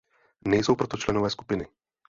Nejsou proto členové skupiny.